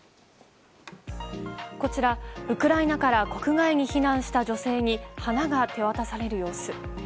こちら、ウクライナから国外に避難した女性に花が手渡される様子。